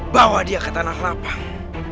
bawa dia ke tanah lapang